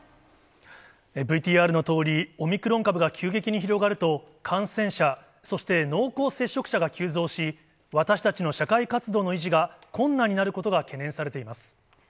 ＶＴＲのとおり、オミクロン株が急激に広がると、感染者、そして濃厚接触者が急増し、私たちの社会活動の維持が困難になることが懸念されています。